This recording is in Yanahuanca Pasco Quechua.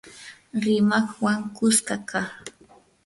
rimaqwan kuska kaq